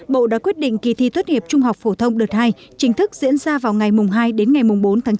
bộ đã quyết định kỳ thi tốt nghiệp trung học phổ thông đợt hai chính thức diễn ra vào ngày hai đến ngày bốn tháng chín